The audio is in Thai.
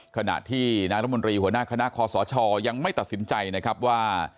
ขณะที่นายรมนตรีหัวหน้าคณะคอสชยังไม่ตัดสินใจนะครับว่า